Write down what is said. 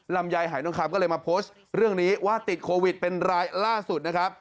ลำไยหายทองคำก็เลยมาโพสต์เรื่องนี้ว่าติดโควิดเป็นรายล่าสุดนะครับ